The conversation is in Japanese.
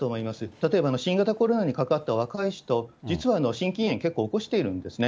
例えば新型コロナにかかった若い人、実は心筋炎、結構起こしているんですね。